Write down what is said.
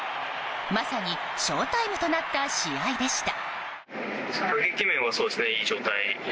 まさにショウタイムとなった試合でした。